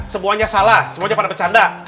semuanya salah semuanya pada bercanda